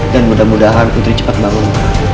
dan mudah mudahan putri cepat bangun